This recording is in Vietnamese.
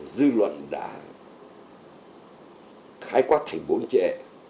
dư luận đã khai quát thành bốn trệ